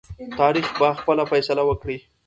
تاریخ به خپل فیصله وکړي.